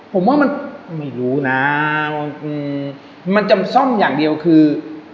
ผมว่ามันไม่รู้นะมันจำซ่อมอย่างเดียวคือ